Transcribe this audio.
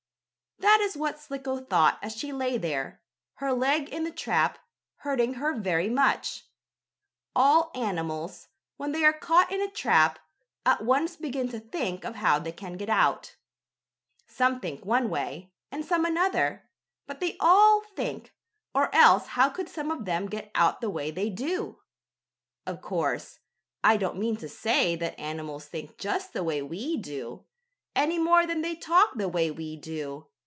That is what Slicko thought as she lay there, her leg in the trap, hurting her very much. All animals, when they are caught in a trap, at once begin to think of how they can get out. Some think one way, and some another, but they all think, or else how could some of them get out the way they do? Of course I don't mean to say that animals think just the way we do, any more than they talk the way we do.